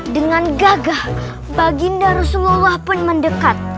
dengan gagah baginda rasulullah pun mendekat